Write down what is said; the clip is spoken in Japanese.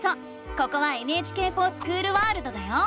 ここは「ＮＨＫｆｏｒＳｃｈｏｏｌワールド」だよ！